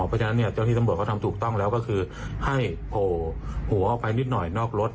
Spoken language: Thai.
เพราะฉะนั้นเนี่ยเจ้าที่ตำรวจเขาทำถูกต้องแล้วก็คือให้โผล่หัวออกไปนิดหน่อยนอกรถ